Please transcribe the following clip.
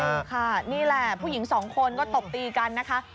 ใช่ค่ะนี่แหละผู้หญิงสองคนก็ตบตีกันนะคะ